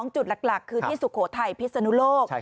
จุดหลักคือที่สุโขทัยพิศนุโลก